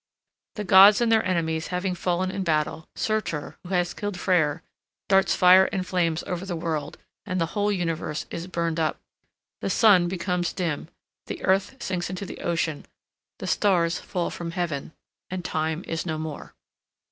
The gods and their enemies having fallen in battle, Surtur, who has killed Freyr, darts fire and flames over the world, and the whole universe is burned up. The sun becomes dim, the earth sinks into the ocean, the stars fall from heaven, and time is no more.